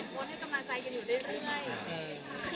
เป็นคนให้กำลังใจกันอยู่ได้หรือไม่